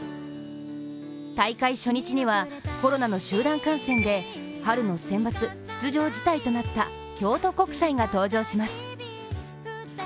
大会初日には、コロナの集団感染で春のセンバツ出場辞退となった京都国際が登場します。